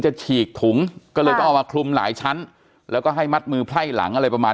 ฉีกถุงก็เลยต้องเอามาคลุมหลายชั้นแล้วก็ให้มัดมือไพ่หลังอะไรประมาณ